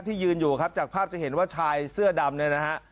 ยืนอยู่ครับจากภาพจะเห็นว่าชายเสื้อดำเนี่ยนะฮะ